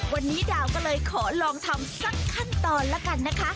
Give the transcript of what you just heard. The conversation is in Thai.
วันนี้ดาวก็เลยขอลองทำสักขั้นตอนละกันนะคะ